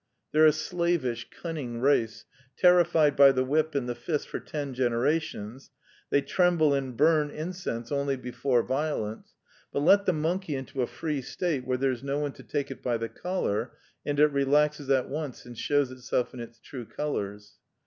They're a slavish, cunning race, terrified by the whip and the fist for ten generations; they tremble and burn incense only before violence; but let the monkey into a free state where there's no one to take it by the collar, and it relaxes at once and shows itself in its true colours.